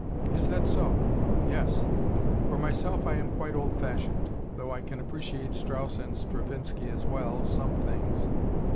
"Is that so! Yes. For myself I am quite old fashioned though I can appreciate Strauss and Stravinsky as well, some things.